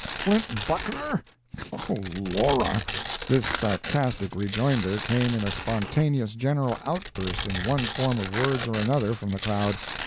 Flint Buckner? Oh, Laura!" This sarcastic rejoinder came in a spontaneous general outburst in one form of words or another from the crowd.